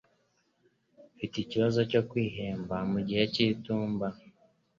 Mfite ikibazo cyo kwiheba mugihe cyitumba